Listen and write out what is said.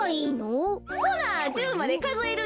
ほな１０までかぞえるんやで。